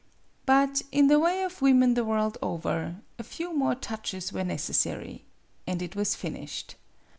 But in the way of women the world over a few more touches were necessary and it was finished.